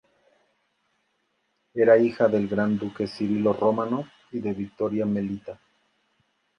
Era hija del gran duque Cirilo Románov y de Victoria Melita.